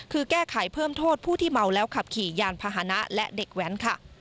คือแก้ไขเพิ่มโทษผู้ที่เมาแล้วขับขี่ยานพาหนะและเด็กแว้นค่ะ